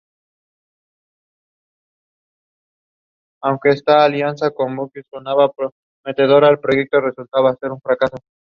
Estos destinatarios están fuertemente definidos y unidos a un cuadro institucional.